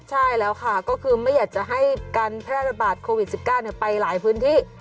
ใช่แล้วค่ะก็คือไม่อยากจะให้การแพร่ระบาดโควิด๑๙ไปหลายพื้นที่